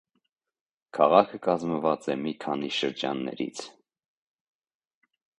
Քաղաքը կազմված է մի քանի շրջաններից։